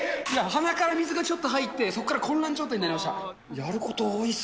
鼻から水がちょっと入って、そこから混乱状態になりました。